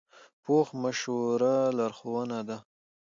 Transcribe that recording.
پوخ مشوره لارښوونه ده